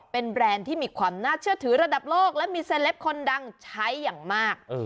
เป็นแบรนด์ที่มีความน่าเชื่อถือระดับโลกและมีเซลปคนดังใช้อย่างมาก